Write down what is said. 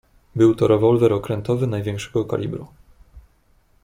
"Był to rewolwer, okrętowy, największego kalibru."